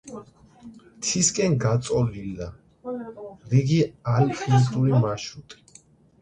მთისკენ გაწოლილია რიგი ალპინისტური მარშრუტი.